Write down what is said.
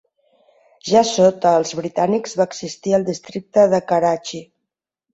Ja sota els britànics va existir el districte de Karachi.